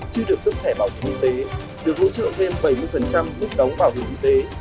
chưa được cấp thẻ bảo hiểm y tế được hỗ trợ thêm bảy mươi mức đóng bảo hiểm y tế